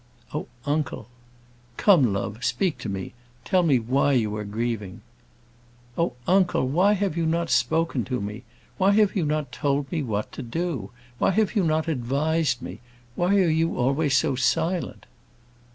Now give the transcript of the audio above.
"Oh, uncle " "Come, love, speak to me; tell me why you are grieving." "Oh, uncle, why have you not spoken to me? Why have you not told me what to do? Why have you not advised me? Why are you always so silent?"